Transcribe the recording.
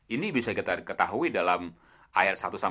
ini bisa kita ketahui dalam